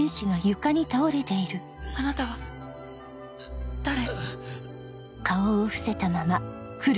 あなたは誰？